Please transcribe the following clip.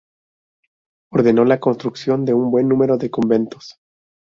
Ordenó la construcción de un buen número de conventos.